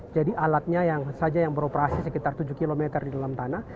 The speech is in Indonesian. jadi alatnya yang saja yang beroperasi sekitar tujuh km di dalam tanah